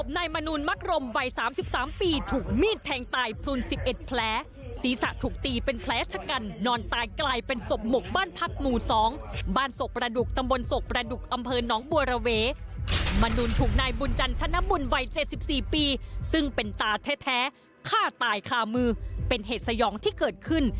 หลานชายบังเกิดแท้ฆ่าตายคามือเป็นเหตุสยองที่เกิดขึ้น